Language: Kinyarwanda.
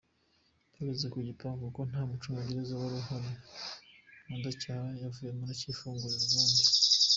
Bageze ku gipangu kuko nta mucungagereza wari uhari Mudacyahwa yavuyemo aracyifungurira ubundi.